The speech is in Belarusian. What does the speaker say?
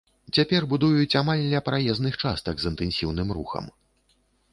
Цяпер будуюць амаль ля праезных частак з інтэнсіўным рухам.